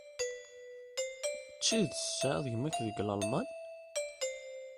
D tidet tesɛiḍ gma-k deg Lalman?